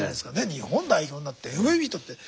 日本代表になってＭＶＰとって。